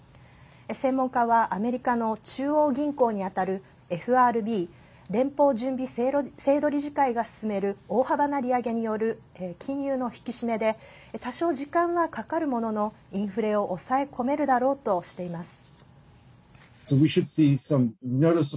専門家はアメリカの中央銀行に当たるＦＲＢ＝連邦準備制度理事会が進める大幅な利上げによる金融の引き締めで多少、時間はかかるもののインフレを抑え込めるだろうとしています。